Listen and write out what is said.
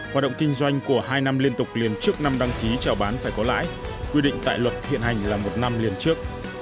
hoạt động kinh doanh của hai năm liên tục liền trước năm đăng ký trào bán phải có lãi quy định tại luật hiện hành là một năm liền trước